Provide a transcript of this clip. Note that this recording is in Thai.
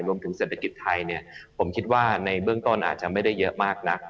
รวมถึงเศรษฐกิจไทยเนี่ยผมคิดว่าในเบื้องต้นอาจจะไม่ได้เยอะมากนัก